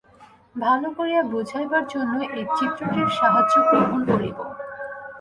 ভাল করিয়া বুঝাইবার জন্য এই চিত্রটির সাহায্য গ্রহণ করিব।